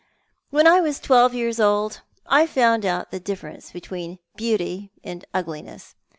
"When I was twelve years old I found out the difference between beauty and ugliness.